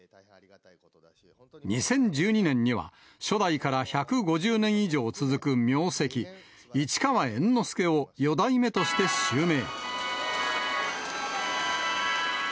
２０１２年には、初代から１５０年以上続く名跡、市川猿之助を四代目として襲名。